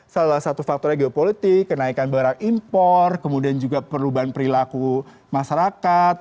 salah satu faktornya geopolitik kenaikan barang impor kemudian juga perubahan perilaku masyarakat